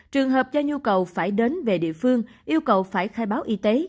trường hợp do nhu cầu phải đến về địa phương yêu cầu phải khai báo y tế